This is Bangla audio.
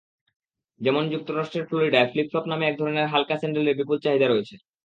যেমন যুক্তরাষ্ট্রের ফ্লোরিডায় ফ্লিপ-ফ্লপ নামের একধরনের হালকা স্যান্ডেলের বিপুল চাহিদা রয়েছে।